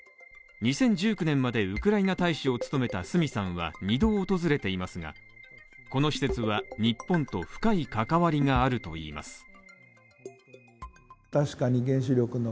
２０１９年までウクライナ大使を務めた角さんは２度訪れていますがこの施設は日本と深い関わりがあるといいます